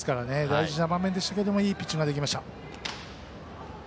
大事な場面でしたけれどもいいピッチングができました。